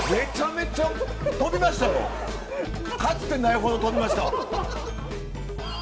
かつてないほど飛びました。